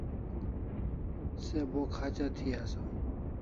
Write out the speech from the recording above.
Se bo khacha thi asaw